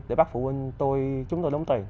để bắt phụ huynh chúng tôi đón tiền